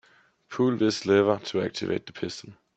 Pull this lever to activate the piston.